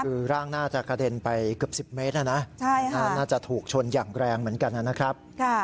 คือร่างน่าจะกระเด็นไปเกือบ๑๐เมตรนะน่าจะถูกชนอย่างแรงเหมือนกันนะครับ